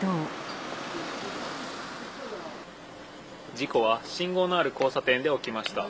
事故は信号のある交差点で起きました。